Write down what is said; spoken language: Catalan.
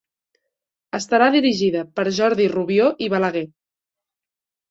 Estarà dirigida per Jordi Rubió i Balaguer.